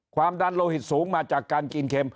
ความดันโลหิตสูงมาจากการกินเข็ม